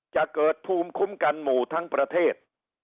จะเกิดภูมิคุ้มกันหมู่ทั้งประเทศ